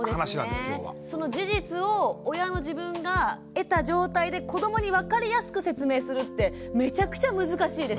その事実を親の自分が得た状態で子どもに分かりやすく説明するってめちゃくちゃ難しいですよね。